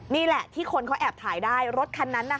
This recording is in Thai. นี่แหละที่คนเขาแอบถ่ายได้รถคันนั้น